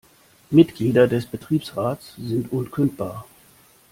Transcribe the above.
Mitglieder des Betriebsrats sind unkündbar.